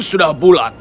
aku sudah bulat